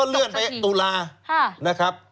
เลื่อนไปตุลานะครับ